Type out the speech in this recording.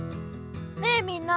ねえみんな。